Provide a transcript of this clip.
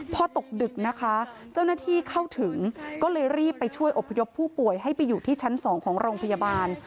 พอตกดึกนะคะเจ้าหน้าที่เข้าถึงก็เลยรีบไปช่วยอบพยพผู้ป่วยให้ไปอยู่ที่ชั้น๒ของโรงพยาบาล